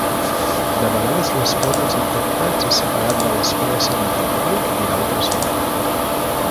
De vegades l'espai dels intèrprets és separat de l'espai assignat al públic i d'altres no.